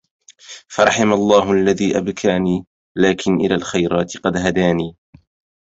فرحم الله الذي أبكاني لكن إلي الخيرات قد هداني